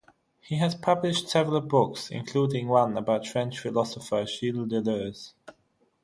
He has published several books including one about French philosopher Gilles Deleuze.